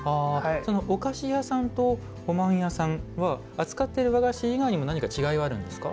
おかしやさんとおまんやさんは扱っている和菓子以外にも何か違いはあるんですか？